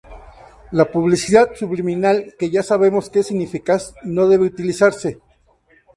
La publicidad subliminal, que ya sabemos que es ineficaz, no debe utilizarse.